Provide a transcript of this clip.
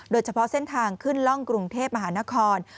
โดยเฉพาะเส้นทางขึ้นล่องกรุงเทพมหานคร